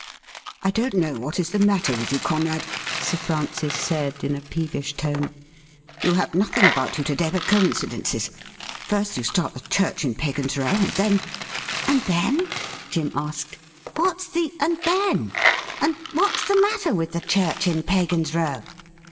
' I don't know what is the matter with you, Conrad,' Sir Francis said, in a peevish tone. ' You have nothing about you to day but coincidences. First you start the church in Pagan's Row, and then ''' And then ?' Jim asked. ' What's the " and then," and what's the matter with the church in Pagan's Row